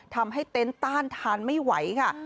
ทำให้เตนท์ต้านทานไม่ไหวค่ะ